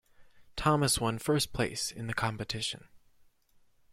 Thomas one first place in the competition.